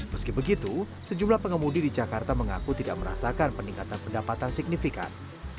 meski begitu sejumlah pengemudi di jakarta mengaku tidak merasakan peningkatan pendapatan signifikan